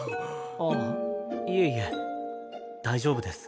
あっいえいえ大丈夫です。